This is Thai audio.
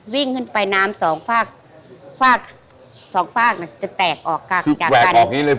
วิ่งขึ้นไปน้ำสองภาคภาคสองภาคน่ะจะแตกออกจากกันแบบนี้เลย